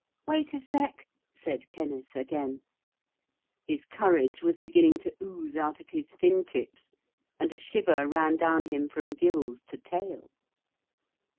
'Wait a sec.,' said Kenneth again. His courage was beginning to ooze out of his fin tips, and a shiver ran down him from gills to tail.